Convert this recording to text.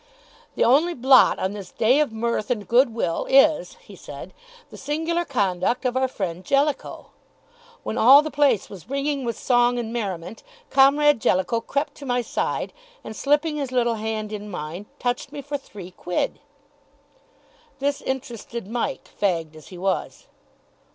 "The only blot on this day of mirth and good will is," he said, "the singular conduct of our friend Jellicoe. When all the place was ringing with song and merriment, Comrade Jellicoe crept to my side, and, slipping his little hand in mine, touched me for three quid." This interested Mike, fagged as he was.